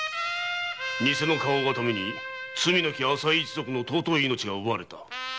偽の花押がために罪なき朝井一族の尊い命が奪われた。